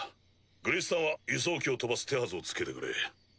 グリスタンは輸送機を飛ばす手筈をつけてくれ。